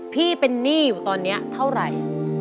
พี่เป็นหนี้อยู่ตอนนี้เท่าไหร่